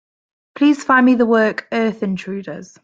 Please find me the work, Earth Intruders.